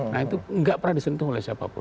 nah itu nggak pernah disentuh oleh siapapun